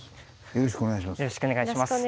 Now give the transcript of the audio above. よろしくお願いします。